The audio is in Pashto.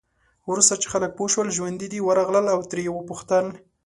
وروسته چې خلک پوه شول ژوندي دی، ورغلل او ترې یې وپوښتل.